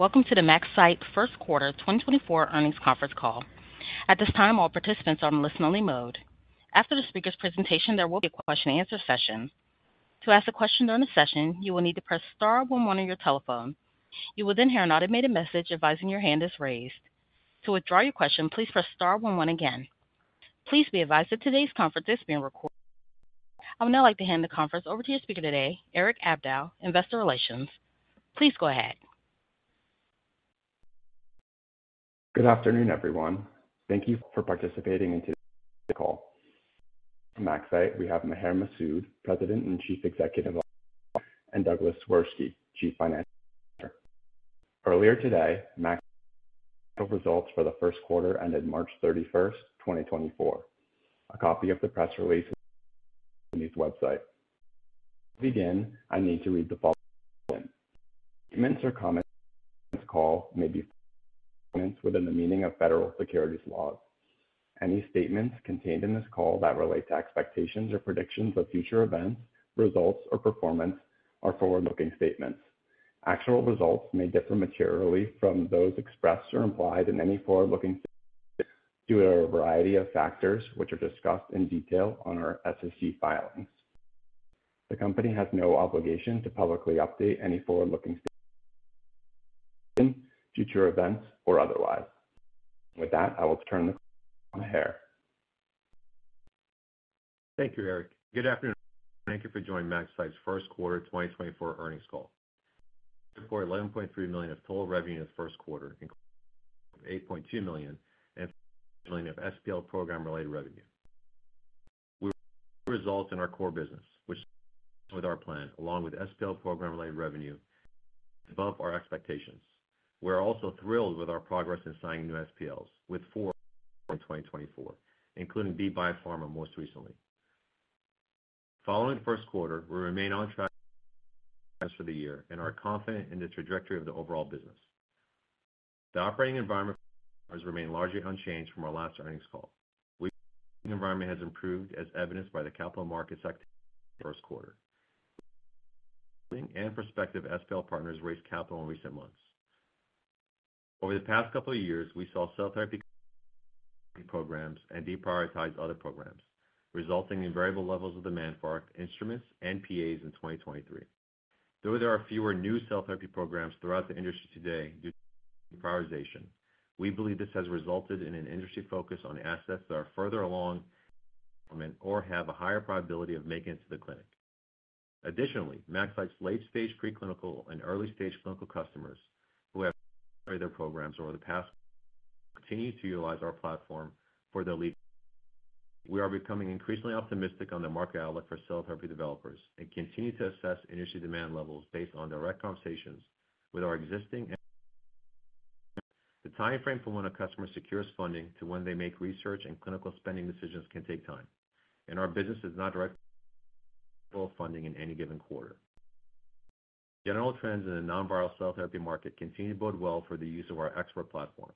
Welcome to the MaxCyte First Quarter 2024 Earnings Conference Call. At this time, all participants are on listen-only mode. After the speaker's presentation, there will be a question-and-answer session. To ask a question during the session, you will need to press star one one on your telephone. You will then hear an automated message advising your hand is raised. To withdraw your question, please press star one one again. Please be advised that today's conference is being recorded. I would now like to hand the conference over to your speaker today, Erik Abdow, Investor Relations. Please go ahead. Good afternoon, everyone. Thank you for participating in today's call. From MaxCyte, we have Maher Masoud, President and Chief Executive, and Douglas Swirsky, Chief Financial Officer. Earlier today, MaxCyte results for the first quarter ended March 31, 2024. A copy of the press release on the company's website. To begin, I need to read the following. Statements or comments on this call may be statements within the meaning of federal securities laws. Any statements contained in this call that relate to expectations or predictions of future events, results, or performance are forward-looking statements. Actual results may differ materially from those expressed or implied in any forward-looking statements due to a variety of factors, which are discussed in detail on our SEC filings. The company has no obligation to publicly update any forward-looking statements, future events or otherwise. With that, I will turn this to Maher. Thank you, Erik. Good afternoon. Thank you for joining MaxCyte's First Quarter 2024 Earnings Call. For $11.3 million of total revenue in the first quarter, including $8.2 million of SPL program-related revenue. Our results in our core business, which with our plan along with SPL program-related revenue, above our expectations. We're also thrilled with our progress in signing new SPLs, with four in 2024, including Be Biopharma, most recently. Following the first quarter, we remain on track for the year and are confident in the trajectory of the overall business. The operating environment has remained largely unchanged from our last earnings call. Environment has improved as evidenced by the capital markets activity first quarter. Prospective SPL partners raised capital in recent months. Over the past couple of years, we saw cell therapy programs and deprioritized other programs, resulting in variable levels of demand for our instruments and PAs in 2023. Though there are fewer new cell therapy programs throughout the industry today due to deprioritization, we believe this has resulted in an industry focus on assets that are further along, or have a higher probability of making it to the clinic. Additionally, MaxCyte's late-stage preclinical and early-stage clinical customers who have their programs over the past continue to utilize our platform for their lead. We are becoming increasingly optimistic on the market outlook for cell therapy developers and continue to assess industry demand levels based on direct conversations with our existing and... The time frame from when a customer secures funding to when they make research and clinical spending decisions can take time, and our business is not direct funding in any given quarter. General trends in the non-viral cell therapy market continue to bode well for the use of our ExPERT platform.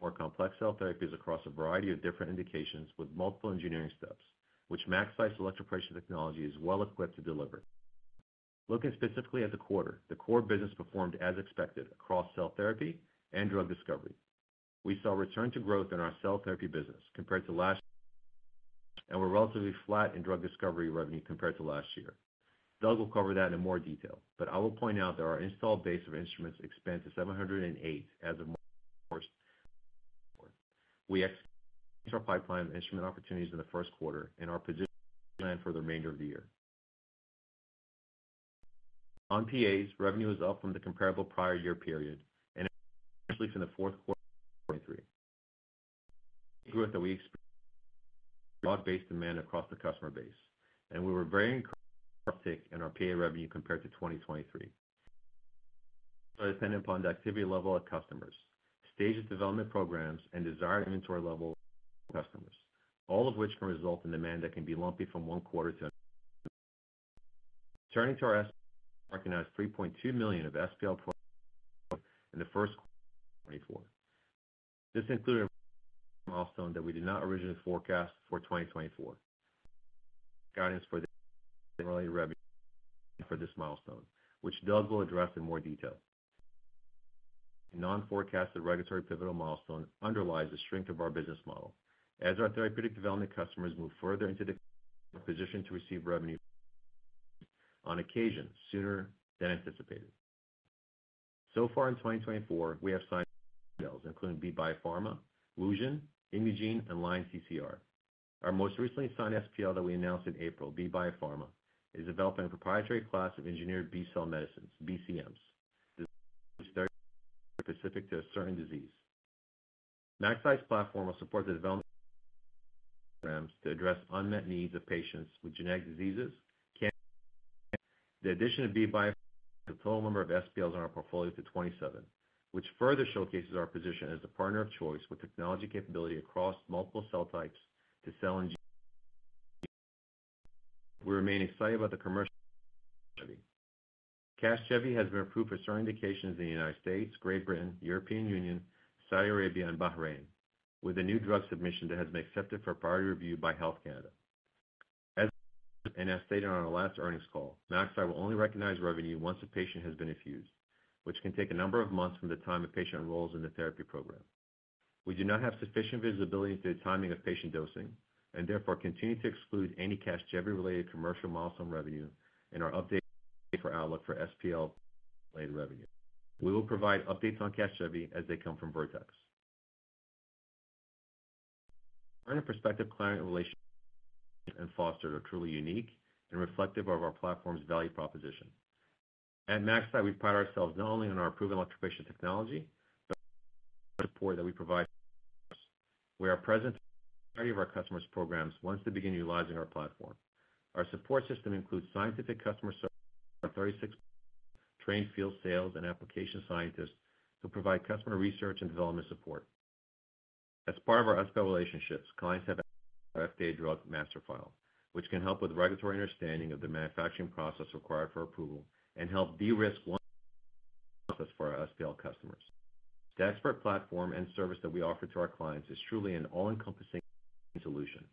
More complex cell therapies across a variety of different indications with multiple engineering steps, which MaxCyte's electroporation technology is well equipped to deliver. Looking specifically at the quarter, the core business performed as expected across cell therapy and drug discovery. We saw a return to growth in our cell therapy business compared to last, and we're relatively flat in drug discovery revenue compared to last year. Doug will cover that in more detail, but I will point out that our installed base of instruments expanded to 708 as of March first. We expanded our pipeline instrument opportunities in the first quarter and are positioned for the remainder of the year. On PAs, revenue is up from the comparable prior year period, and especially from the fourth quarter of 2023. Growth that we expect broad-based demand across the customer base, and we were very encouraged in our PA revenue compared to 2023. Depending upon the activity level of customers, stage of development programs, and desired inventory levels, customers, all of which can result in demand that can be lumpy from one quarter to-- Turning to our SPL, recognized $3.2 million of SPL in the first quarter of 2024. This included a milestone that we did not originally forecast for 2024. Guidance for this milestone, which Doug will address in more detail. Non-forecasted regulatory pivotal milestone underlies the strength of our business model. As our therapeutic development customers move further into the position to receive revenue on occasion, sooner than anticipated. So far in 2024, we have signed, including Be Biopharma, Wugen, Imugene, and Lion TCR. Our most recently signed SPL that we announced in April, Be Biopharma, is developing a proprietary class of engineered B-cell medicines, BeCMs, specific to a certain disease. MaxCyte's platform will support the development programs to address unmet needs of patients with genetic diseases. The addition of Be Biopharma, the total number of SPLs in our portfolio to 27, which further showcases our position as a partner of choice with technology capability across multiple cell types to cell engineering. We remain excited about the commercial. CASGEVY has been approved for certain indications in the United States, Great Britain, European Union, Saudi Arabia, and Bahrain, with a new drug submission that has been accepted for priority review by Health Canada. As stated on our last earnings call, MaxCyte will only recognize revenue once a patient has been infused, which can take a number of months from the time a patient enrolls in the therapy program. We do not have sufficient visibility into the timing of patient dosing, and therefore, continue to exclude any CASGEVY-related commercial milestone revenue in our updated outlook for SPL-related revenue. We will provide updates on CASGEVY as they come from Vertex. Our current and prospective client relationships we have fostered are truly unique and reflective of our platform's value proposition. At MaxCyte, we pride ourselves not only on our proven electroporation technology, but the support that we provide. We are a presence in our customers' programs once they begin utilizing our platform. Our support system includes scientific customer service, our 36 trained field sales and application scientists who provide customer research and development support. As part of our SPL relationships, clients have our FDA Drug Master File, which can help with regulatory understanding of the manufacturing process required for approval and help de-risk one process for our SPL customers. The ExPERT platform and service that we offer to our clients is truly an all-encompassing solution.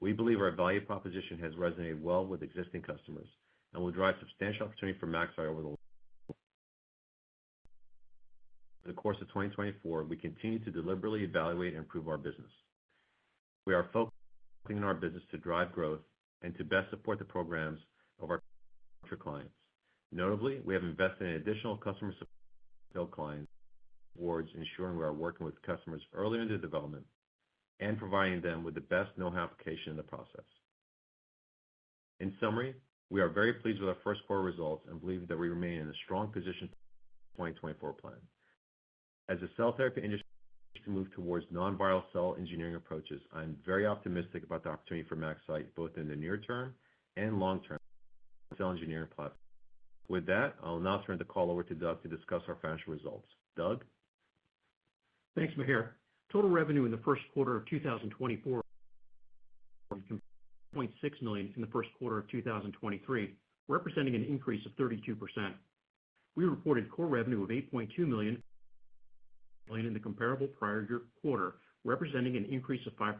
We believe our value proposition has resonated well with existing customers and will drive substantial opportunity for MaxCyte over the long. The course of 2024, we continue to deliberately evaluate and improve our business. We are focusing on our business to drive growth and to best support the programs of our clients. Notably, we have invested in additional customer support clients towards ensuring we are working with customers early in their development and providing them with the best know-how application in the process. In summary, we are very pleased with our first quarter results and believe that we remain in a strong position for our 2024 plan. As the cell therapy industry can move towards non-viral cell engineering approaches, I am very optimistic about the opportunity for MaxCyte, both in the near term and long term cell engineering platform. With that, I'll now turn the call over to Doug to discuss our financial results. Doug? Thanks, Maher. Total revenue in the first quarter of 2024 $0.6 million in the first quarter of 2023, representing an increase of 32%. We reported core revenue of $8.2 million in the comparable prior year quarter, representing an increase of 5%.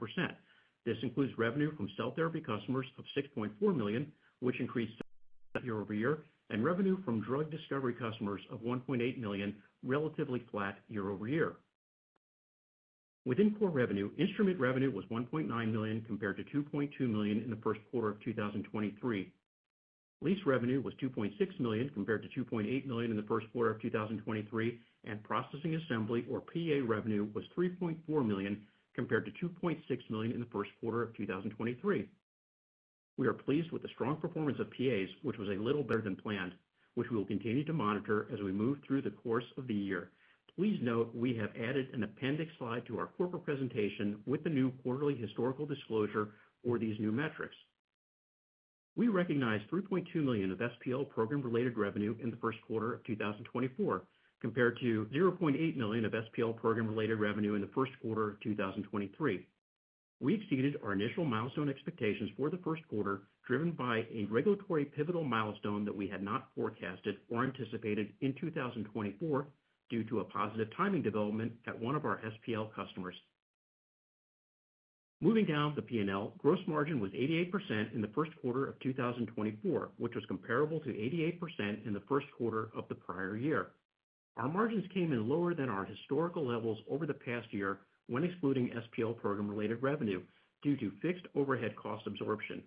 This includes revenue from cell therapy customers of $6.4 million, which increased year-over-year, and revenue from drug discovery customers of $1.8 million, relatively flat year-over-year. Within core revenue, instrument revenue was $1.9 million compared to $2.2 million in the first quarter of 2023. Lease revenue was $2.6 million compared to $2.8 million in the first quarter of 2023, and processing assembly, or PA revenue, was $3.4 million compared to $2.6 million in the first quarter of 2023. We are pleased with the strong performance of PAs, which was a little better than planned, which we will continue to monitor as we move through the course of the year. Please note, we have added an appendix slide to our corporate presentation with the new quarterly historical disclosure for these new metrics. We recognized $3.2 million of SPL program-related revenue in the first quarter of 2024, compared to $0.8 million of SPL program-related revenue in the first quarter of 2023. We exceeded our initial milestone expectations for the first quarter, driven by a regulatory pivotal milestone that we had not forecasted or anticipated in 2024 due to a positive timing development at one of our SPL customers. Moving down the P&L, gross margin was 88% in the first quarter of 2024, which was comparable to 88% in the first quarter of the prior year. Our margins came in lower than our historical levels over the past year when excluding SPL program-related revenue due to fixed overhead cost absorption.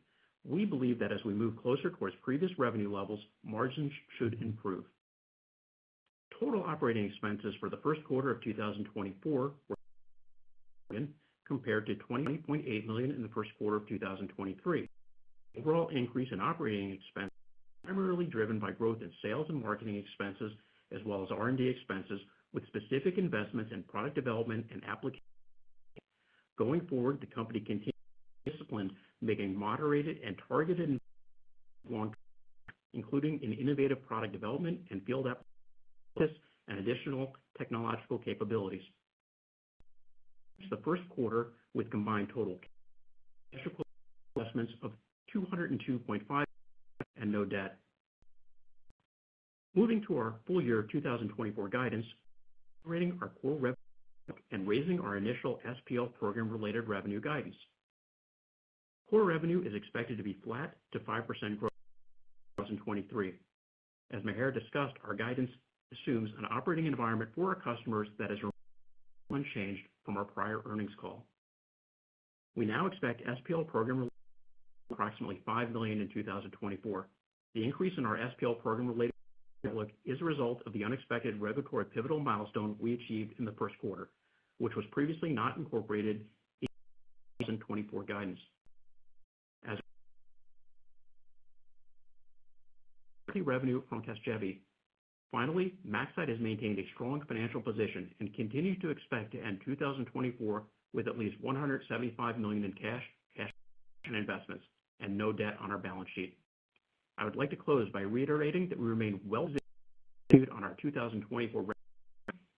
We believe that as we move closer towards previous revenue levels, margins should improve. Total operating expenses for the first quarter of 2024 were compared to $20.8 million in the first quarter of 2023. Overall increase in operating expenses primarily driven by growth in sales and marketing expenses, as well as R&D expenses, with specific investments in product development and application. Going forward, the company continues discipline, making moderated and targeted investments, including an innovative product development, and field emphasis and additional technological capabilities. The first quarter with combined total assets of $202.5 million and no debt. Moving to our full year 2024 guidance, maintaining our core revenue and raising our initial SPL program-related revenue guidance. Core revenue is expected to be flat to 5% growth 2023. As Maher discussed, our guidance assumes an operating environment for our customers that is unchanged from our prior earnings call. We now expect SPL program approximately $5 million in 2024. The increase in our SPL program-related outlook is a result of the unexpected Revocor pivotal milestone we achieved in the first quarter, which was previously not incorporated in 2024 guidance. As revenue from CASGEVY. Finally, MaxCyte has maintained a strong financial position and continues to expect to end 2024 with at least $175 million in cash, cash and investments, and no debt on our balance sheet. I would like to close by reiterating that we remain well on our 2024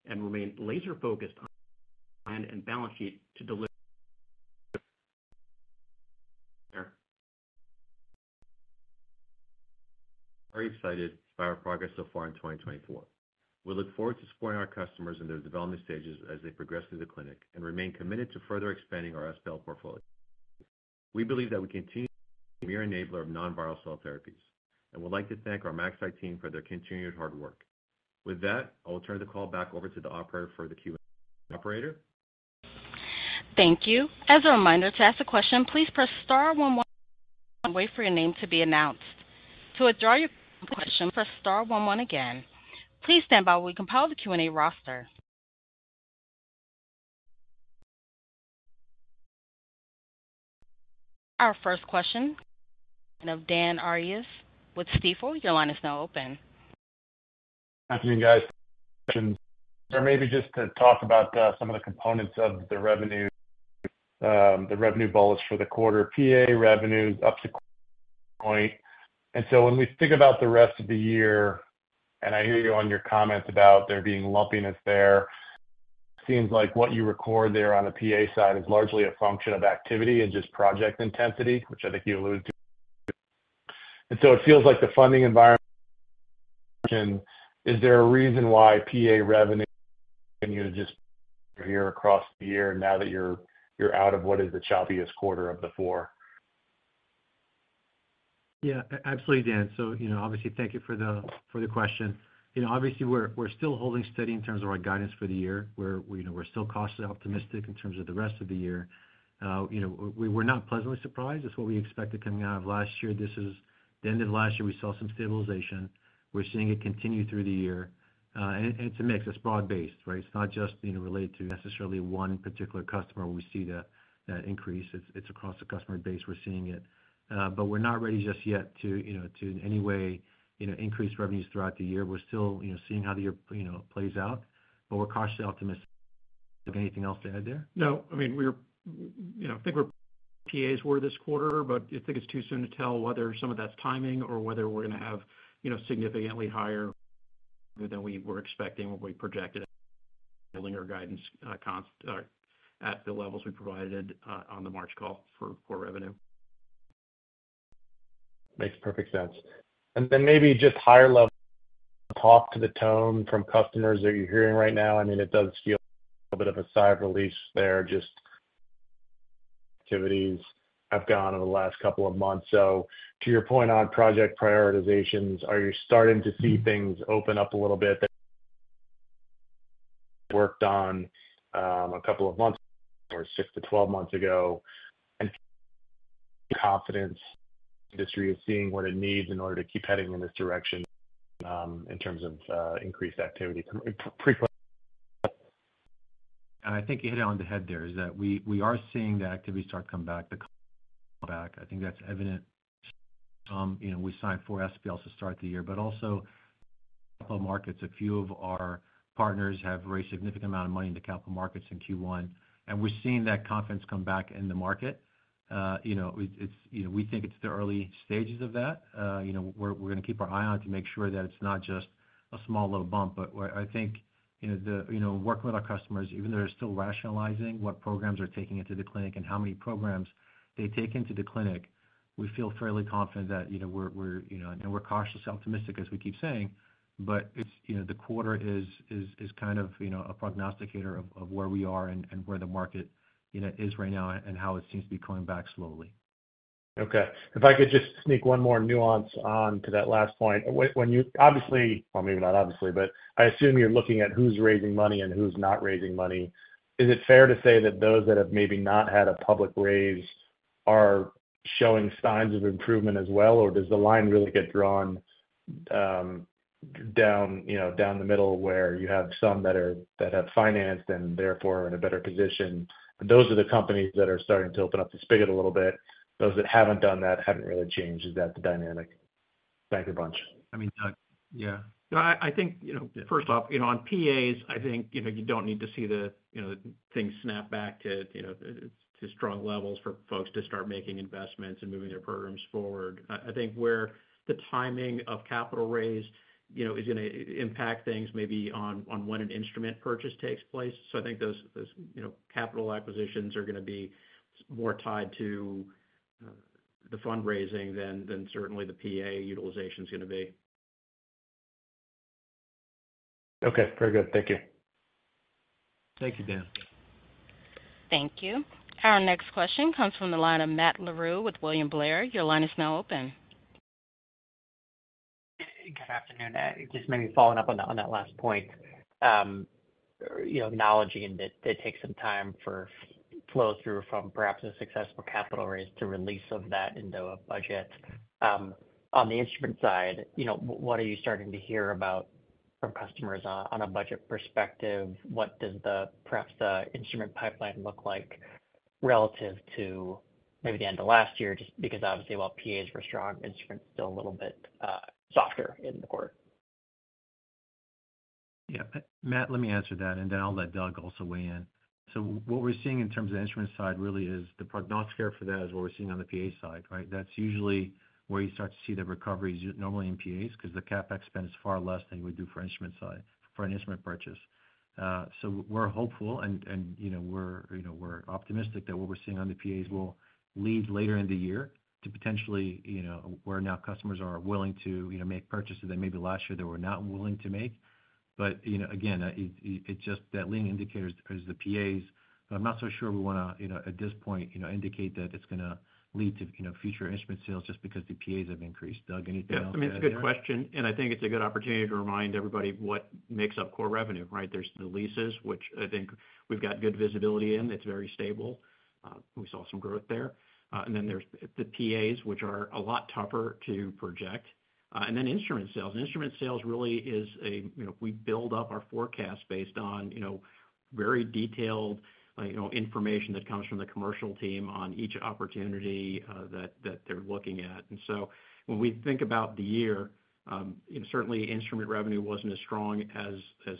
and remain laser-focused on plan and balance sheet to deliver. Very excited by our progress so far in 2024. We look forward to supporting our customers in their development stages as they progress through the clinic, and remain committed to further expanding our SPL portfolio. We believe that we continue to be an enabler of non-viral cell therapies, and would like to thank our MaxCyte team for their continued hard work. With that, I'll turn the call back over to the operator for the Q&A. Operator? Thank you. As a reminder, to ask a question, please press star one one, and wait for your name to be announced. To withdraw your question, press star one one again. Please stand by while we compile the Q&A roster. Our first question of Dan Arias with Stifel, your line is now open. Good afternoon, guys. Or maybe just to talk about some of the components of the revenue, the revenue bullish for the quarter, PA revenues up to point. And so when we think about the rest of the year, and I hear you on your comments about there being lumpiness there, seems like what you record there on the PA side is largely a function of activity and just project intensity, which I think you alluded to. And so it feels like the funding environment. Is there a reason why PA revenue continue to just here across the year now that you're out of what is the choppiest quarter of the four? Yeah, absolutely, Dan. So, you know, obviously, thank you for the question. You know, obviously, we're still holding steady in terms of our guidance for the year. We're, you know, we're still cautiously optimistic in terms of the rest of the year. You know, we were not pleasantly surprised. It's what we expected coming out of last year. This is the end of last year, we saw some stabilization. We're seeing it continue through the year, and it's a mix. It's broad-based, right? It's not just, you know, related to necessarily one particular customer we see that increase. It's across the customer base we're seeing it, but we're not ready just yet to, you know, to in any way increase revenues throughout the year. We're still, you know, seeing how the year, you know, plays out, but we're cautiously optimistic. Anything else to add there? No, I mean, we're, you know, I think our PAs were this quarter, but I think it's too soon to tell whether some of that's timing or whether we're gonna have, you know, significantly higher than we were expecting, what we projected in our guidance, consensus, or at the levels we provided on the March call for core revenue. Makes perfect sense. And then maybe just higher level, talk to the tone from customers that you're hearing right now. I mean, it does feel a bit of a sigh of relief there, just activities have gone in the last couple of months. So to your point on project prioritizations, are you starting to see things open up a little bit that worked on, a couple of months or 6-12 months ago? And confidence industry is seeing what it needs in order to keep heading in this direction, in terms of increased activity pretty quickly. I think you hit it on the head there, is that we are seeing the activity start to come back, the come back. I think that's evident. You know, we signed four SPLs to start the year, but also markets. A few of our partners have raised a significant amount of money in the capital markets in Q1, and we're seeing that confidence come back in the market. You know, it's, you know, we think it's the early stages of that. You know, we're gonna keep our eye on it to make sure that it's not just a small little bump. But what I think, you know, working with our customers, even though they're still rationalizing what programs are taking into the clinic and how many programs they take into the clinic, we feel fairly confident that, you know, we're cautiously optimistic, as we keep saying, but it's, you know, the quarter is kind of, you know, a prognosticator of where we are and where the market, you know, is right now and how it seems to be coming back slowly. Okay. If I could just sneak one more nuance on to that last point. When you obviously, well, maybe not obviously, but I assume you're looking at who's raising money and who's not raising money. Is it fair to say that those that have maybe not had a public raise are showing signs of improvement as well, or does the line really get drawn, down, you know, down the middle, where you have some that have financed and therefore in a better position? Those are the companies that are starting to open up the spigot a little bit. Those that haven't done that, haven't really changed. Is that the dynamic? Thank you a bunch. I mean, yeah. No, I think, you know, first off, you know, on PAs, I think, you know, you don't need to see the, you know, things snap back to, you know, to strong levels for folks to start making investments and moving their programs forward. I think where the timing of capital raise, you know, is gonna impact things maybe on when an instrument purchase takes place. So I think those, you know, capital acquisitions are gonna be more tied to the fundraising than certainly the PA utilization is gonna be. Okay, very good. Thank you. Thank you, Dan. Thank you. Our next question comes from the line of Matt Larew with William Blair. Your line is now open. Good afternoon. Just maybe following up on that, on that last point, you know, acknowledging that it takes some time for flow through from perhaps a successful capital raise to release of that into a budget. On the instrument side, you know, what are you starting to hear about from customers on a budget perspective? What does the, perhaps the instrument pipeline look like relative to maybe the end of last year? Just because obviously, while PAs were strong, instruments still a little bit softer in the quarter. Yeah. Matt, let me answer that, and then I'll let Doug also weigh in. So what we're seeing in terms of the instrument side really is the prognosticator for that, which is what we're seeing on the PA side, right? That's usually where you start to see the recoveries normally in PAs, because the CapEx spend is far less than you would do for the instrument side, for an instrument purchase. So we're hopeful and, you know, we're optimistic that what we're seeing on the PAs will lead later in the year to potentially, you know, where now customers are willing to, you know, make purchases that maybe last year they were not willing to make. But, you know, again, it's just that leading indicators is the PAs, but I'm not so sure we wanna, you know, at this point, you know, indicate that it's gonna lead to, you know, future instrument sales just because the PAs have increased. Doug, anything else to add there? Yeah, I mean, it's a good question, and I think it's a good opportunity to remind everybody what makes up core revenue, right? There's the leases, which I think we've got good visibility in. It's very stable. We saw some growth there. And then there's the PAs, which are a lot tougher to project, and then instrument sales. Instrument sales really is a, you know, we build up our forecast based on, you know, very detailed, you know, information that comes from the commercial team on each opportunity, that they're looking at. And so when we think about the year, you know, certainly instrument revenue wasn't as strong as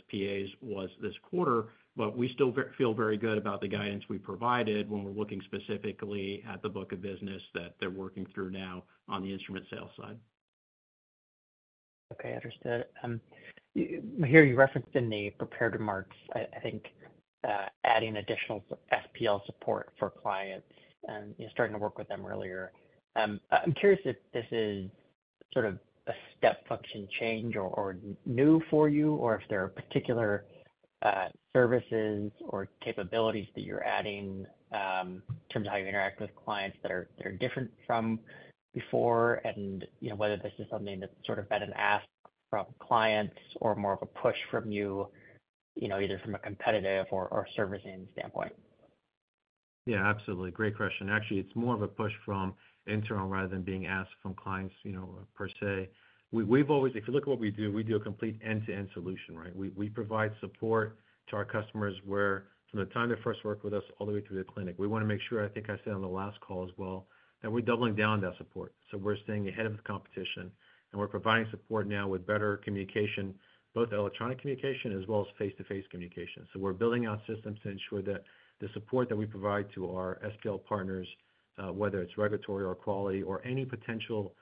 PAs was this quarter, but we still feel very good about the guidance we provided when we're looking specifically at the book of business that they're working through now on the instrument sales side. Okay, understood. Here you referenced in the prepared remarks, I think, adding additional SPL support for clients and, you know, starting to work with them earlier. I'm curious if this is sort of a step function change or new for you, or if there are particular services or capabilities that you're adding, in terms of how you interact with clients that are different from before, and, you know, whether this is something that's sort of been an ask from clients or more of a push from you, you know, either from a competitive or servicing standpoint. Yeah, absolutely. Great question. Actually, it's more of a push from internal rather than being asked from clients, you know, per se. We've always. If you look at what we do, we do a complete end-to-end solution, right? We, we provide support to our customers, from the time they first work with us all the way through the clinic. We wanna make sure, I think I said on the last call as well, that we're doubling down that support. So we're staying ahead of the competition, and we're providing support now with better communication, both electronic communication as well as face-to-face communication. So we're building out systems to ensure that the support that we provide to our SPL partners, whether it's regulatory or quality or any potential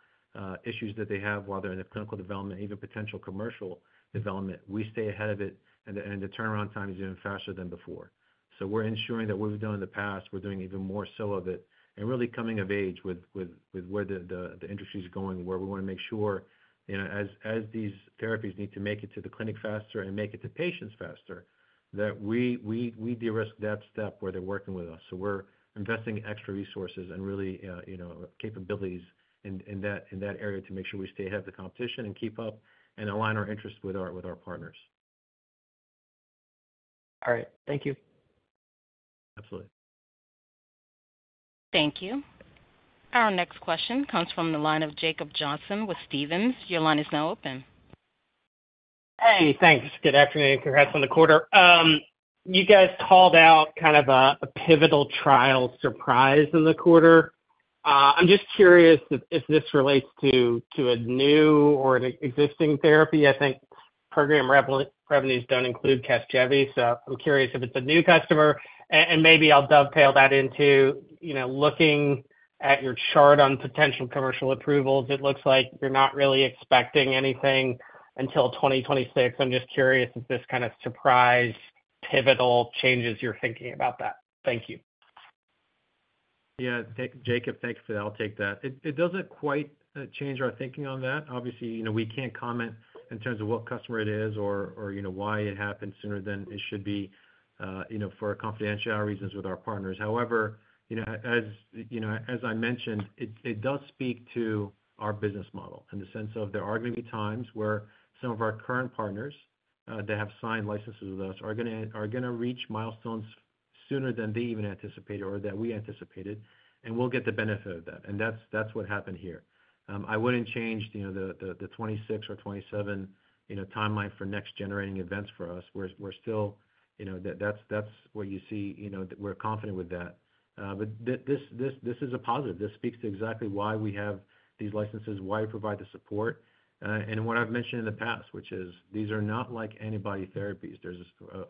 issues that they have while they're in a clinical development, even potential commercial development, we stay ahead of it, and the turnaround time is even faster than before. So we're ensuring that what we've done in the past, we're doing even more so of it, and really coming of age with where the industry is going, where we wanna make sure, you know, as these therapies need to make it to the clinic faster and make it to patients faster, that we de-risk that step where they're working with us. We're investing extra resources and really, you know, capabilities in that area to make sure we stay ahead of the competition and keep up and align our interests with our partners. All right. Thank you. Absolutely. Thank you. Our next question comes from the line of Jacob Johnson with Stephens. Your line is now open. Hey, thanks. Good afternoon, congrats on the quarter. You guys called out kind of a pivotal trial surprise in the quarter. I'm just curious if this relates to a new or an existing therapy. I think program revenues don't include CASGEVY, so I'm curious if it's a new customer. And maybe I'll dovetail that into, you know, looking at your chart on potential commercial approvals, it looks like you're not really expecting anything until 2026. I'm just curious if this kind of surprise pivotal changes your thinking about that. Thank you. Yeah, Jacob, thanks. I'll take that. It doesn't quite change our thinking on that. Obviously, you know, we can't comment in terms of what customer it is or, you know, why it happened sooner than it should be, you know, for confidentiality reasons with our partners. However, you know, as you know, as I mentioned, it does speak to our business model in the sense of there are going to be times where some of our current partners that have signed licenses with us are gonna reach milestones sooner than they even anticipated or that we anticipated, and we'll get the benefit of that. And that's what happened here. I wouldn't change the 2026 or 2027 timeline for next generating events for us. We're still, you know, that's where you see, you know, we're confident with that. But this is a positive. This speaks to exactly why we have these licenses, why we provide the support, and what I've mentioned in the past, which is these are not like antibody therapies. There's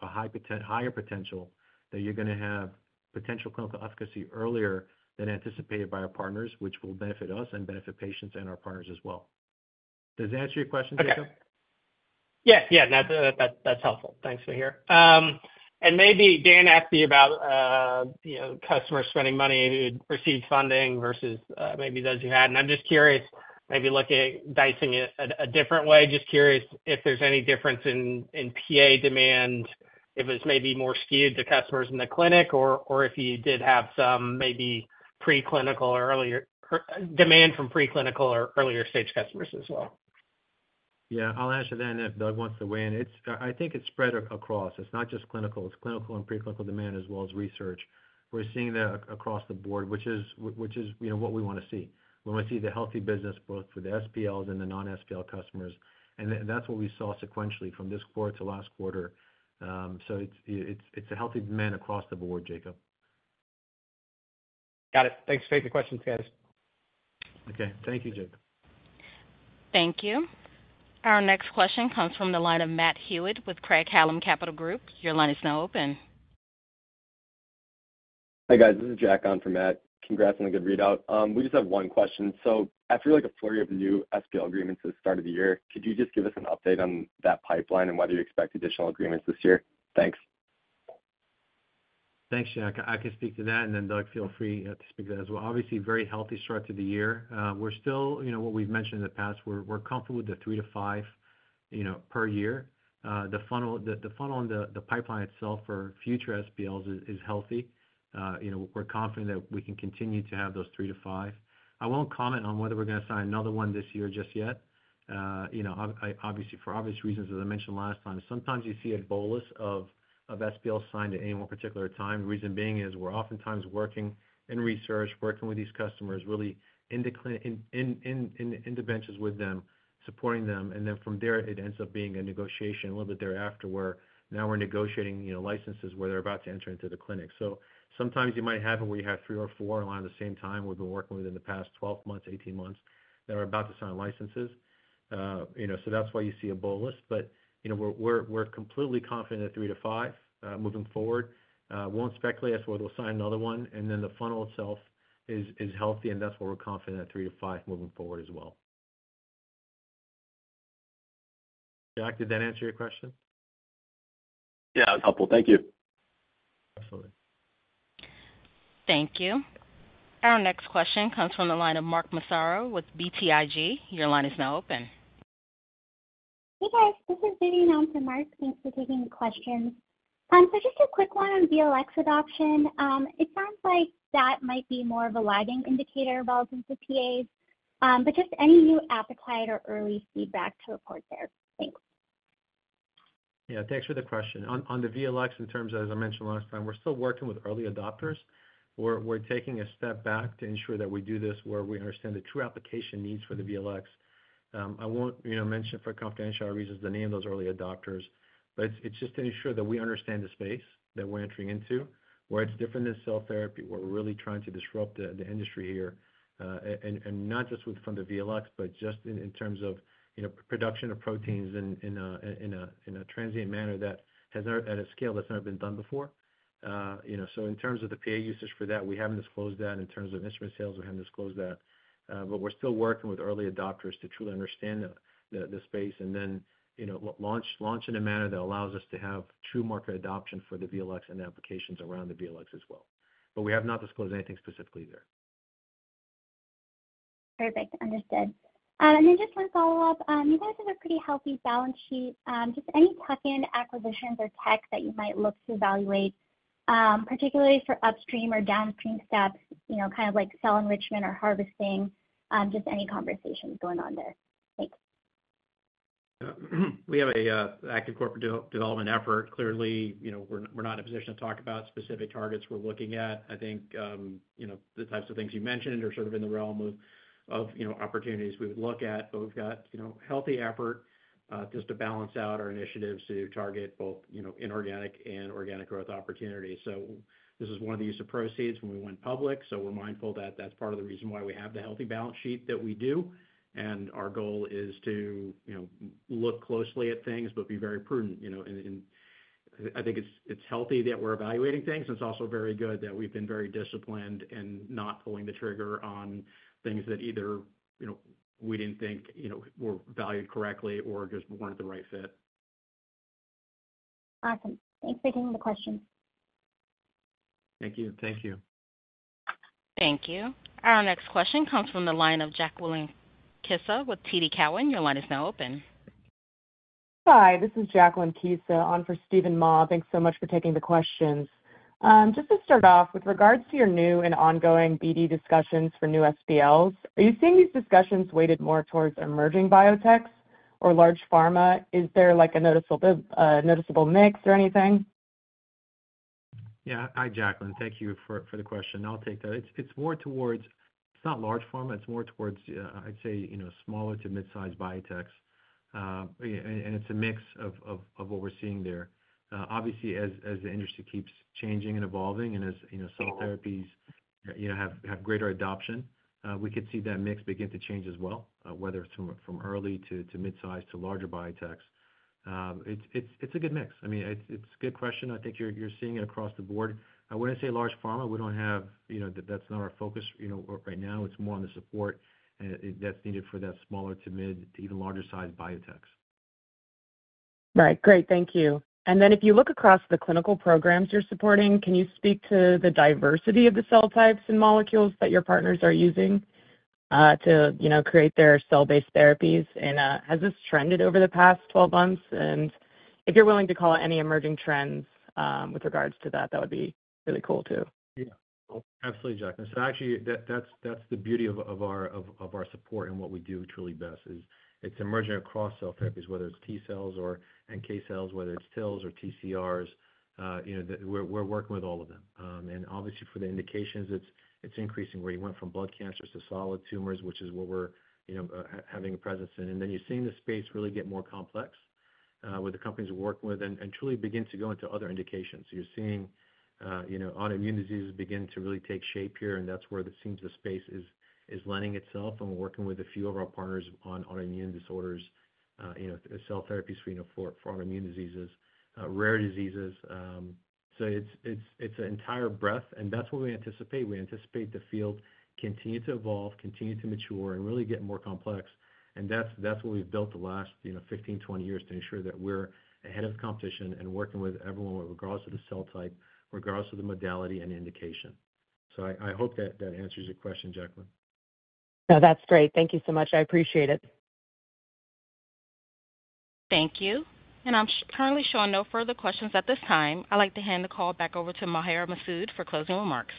a higher potential that you're gonna have potential clinical efficacy earlier than anticipated by our partners, which will benefit us, and benefit patients and our partners as well. Does that answer your question, Jacob? Yeah, yeah, that, that, that's helpful. Thanks, Maher. And maybe, Dan asked you about, you know, customers spending money who received funding versus maybe those who hadn't. I'm just curious, maybe looking at dicing it a different way, just curious if there's any difference in PA demand, if it's maybe more skewed to customers in the clinic or if you did have some maybe preclinical or earlier--demand from preclinical or earlier-stage customers as well. Yeah. I'll answer that, and if Doug wants to weigh in. It's, I think it's spread across. It's not just clinical, it's clinical and preclinical demand, as well as research. We're seeing that across the board, which is, you know, what we wanna see. We wanna see the healthy business both for the SPLs and the non-SPL customers, and that's what we saw sequentially from this quarter to last quarter. So it's a healthy demand across the board, Jacob. Got it. Thanks for taking the question, guys. Okay. Thank you, Jacob. Thank you. Our next question comes from the line of Matt with Craig-Hallum Capital Group. Your line is now open. Hi, guys. This is Jack on for Matt. Congrats on a good readout. We just have one question: So after, like, a flurry of new SPL agreements at the start of the year, could you just give us an update on that pipeline and whether you expect additional agreements this year? Thanks. Thanks, Jack. I can speak to that, and then, Doug, feel free to speak to that as well. Obviously, very healthy start to the year. We're still, you know, what we've mentioned in the past, we're comfortable with the three-five, you know, per year. The funnel and the pipeline itself for future SPLs is healthy. You know, we're confident that we can continue to have those three-five. I won't comment on whether we're gonna sign another one this year just yet. You know, obviously, for obvious reasons, as I mentioned last time, sometimes you see a bolus of SPLs signed at any one particular time. The reason being is we're oftentimes working in research, working with these customers, really in the benches with them, supporting them, and then from there, it ends up being a negotiation a little bit thereafter, where now we're negotiating, you know, licenses where they're about to enter into the clinic. So sometimes you might have it, where you have three or four around the same time we've been working with in the past 12 months, 18 months, that are about to sign licenses. You know, so that's why you see a bolus. But, you know, we're completely confident at three to five moving forward. Won't speculate as to whether we'll sign another one, and then the funnel itself is healthy, and that's why we're confident at three to five moving forward as well. Jack, did that answer your question? Yeah, it was helpful. Thank you. Absolutely. Thank you. Our next question comes from the line of Vivian with BTIG. Your line is now open. Hey, guys, this is Vivian on for Mark. Thanks for taking the question. So just a quick one on VLX adoption. It sounds like that might be more of a lagging indicator relative to PAs, but just any new appetite or early feedback to report there? Thanks. Yeah, thanks for the question. On the VLX, in terms of, as I mentioned last time, we're still working with early adopters. We're taking a step back to ensure that we do this where we understand the true application needs for the VLX. I won't, you know, mention, for confidential reasons, the name of those early adopters, but it's just to ensure that we understand the space that we're entering into, where it's different than cell therapy. We're really trying to disrupt the industry here, and not just with from the VLX, but just in terms of, you know, production of proteins in a transient manner that has never at a scale that's never been done before. You know, so in terms of the PA usage for that, we haven't disclosed that. In terms of instrument sales, we haven't disclosed that. But we're still working with early adopters to truly understand the space, and then, you know, launch in a manner that allows us to have true market adoption for the VLX and the applications around the VLX as well. But we have not disclosed anything specifically there. Perfect. Understood. And then just one follow-up. You guys have a pretty healthy balance sheet. Just any tuck-in acquisitions or tech that you might look to evaluate, particularly for upstream or downstream steps, you know, kind of like cell enrichment or harvesting? Just any conversations going on there? Thanks. We have an active corporate development effort. Clearly, you know, we're not in a position to talk about specific targets we're looking at. I think, you know, the types of things you mentioned are sort of in the realm of opportunities we would look at. But we've got, you know, healthy effort just to balance out our initiatives to target both, you know, inorganic and organic growth opportunities. So this is one of the use of proceeds when we went public, so we're mindful that that's part of the reason why we have the healthy balance sheet that we do. And our goal is to, you know, look closely at things, but be very prudent, you know, and I think it's healthy that we're evaluating things. It's also very good that we've been very disciplined and not pulling the trigger on things that either, you know, we didn't think, you know, were valued correctly or just weren't the right fit. Awesome. Thanks for taking the question. Thank you. Thank you. Thank you. Our next question comes from the line of Jacqueline Kisa with TD Cowen. Your line is now open. Hi, this is Jacqueline Kisa, on for Steven Mah. Thanks so much for taking the questions. Just to start off, with regards to your new and ongoing BD discussions for new SPLs, are you seeing these discussions weighted more towards emerging biotechs or large pharma? Is there like a noticeable mix or anything? Yeah. Hi, Jacqueline. Thank you for the question. I'll take that. It's more towards--it's not large pharma, it's more towards, I'd say, you know, smaller to mid-size biotechs. And it's a mix of what we're seeing there. Obviously, as the industry keeps changing and evolving and as, you know, cell therapies have greater adoption, we could see that mix begin to change as well, whether it's from early to mid-size to larger biotechs. It's a good mix. I mean, it's a good question. I think you're seeing it across the board. When I say large pharma, we don't have, you know, that's not our focus right now. It's more on the support that's needed for that smaller to mid to even larger-sized biotechs. Right. Great. Thank you. And then if you look across the clinical programs you're supporting, can you speak to the diversity of the cell types and molecules that your partners are using, to, you know, create their cell-based therapies? And, has this trended over the past 12 months? And if you're willing to call out any emerging trends, with regards to that, that would be really cool, too. Yeah. Absolutely, Jacqueline. So actually, that's the beauty of our support and what we do truly best, is it's emerging across cell therapies, whether it's T-cells or NK cells, whether it's TILs or TCRs, you know, we're working with all of them. And obviously, for the indications, it's increasing where you went from blood cancers to solid tumors, which is where we're, you know, having a presence in. And then you're seeing the space really get more complex, with the companies we're working with, and truly begin to go into other indications. You're seeing, you know, autoimmune diseases begin to really take shape here, and that's where it seems the space is lending itself. And we're working with a few of our partners on autoimmune disorders, you know, cell therapies, you know, for autoimmune diseases, rare diseases. So it's an entire breadth, and that's what we anticipate. We anticipate the field continuing to evolve, continuing to mature, and really get more complex. And that's what we've built the last, you know, 15, 20 years, to ensure that we're ahead of the competition and working with everyone, regardless of the cell type, regardless of the modality and indication. So I hope that answers your question, Jacqueline. No, that's great. Thank you so much. I appreciate it. Thank you. I'm currently showing no further questions at this time. I'd like to hand the call back over to Maher Masoud for closing remarks.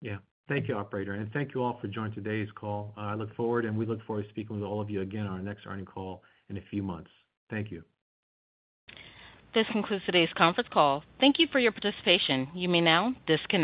Yeah. Thank you, operator, and thank you all for joining today's call. I look forward, and we look forward to speaking with all of you again on our next earnings call in a few months. Thank you. This concludes today's conference call. Thank you for your participation. You may now disconnect.